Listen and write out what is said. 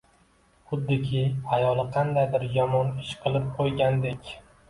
xuddiki ayoli qandaydir yomon ish qilib qo‘ygandek.